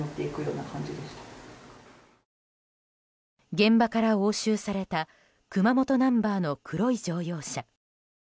現場から押収された熊本ナンバーの黒い乗用車。